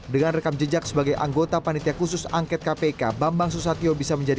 dengan rekam jejak sebagai anggota panitia khusus angket kpk bambang susatyo bisa menjadi